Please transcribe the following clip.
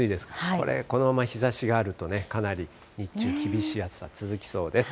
これ、このまま日ざしがあると、かなり日中、厳しい暑さ続きそうです。